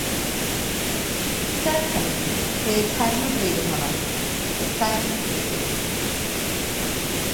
Serch hynny, crëwyd term y flwyddyn honno - y "Tren Trulli”.